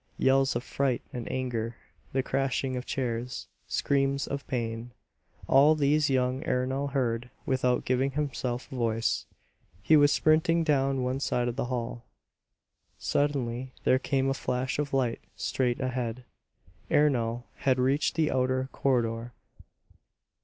Yells of fright and anger, the crashing of chairs, screams of pain; all these young Ernol heard without himself giving voice. He was sprinting down one side of the hall. Suddenly there came a flash of light straight ahead. Ernol had reached the outer corridor.